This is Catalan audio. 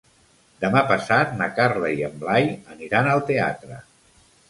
Demà passat na Carla i en Blai aniran al teatre.